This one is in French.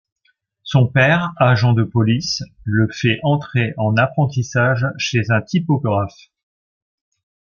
Son père, agent de police, le fait entrer en apprentissage chez un typographe.